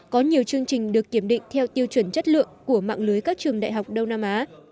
có nhiều chương trình được kiểm định theo tiêu chuẩn chất lượng của mạng lưới các trường đại học đông nam á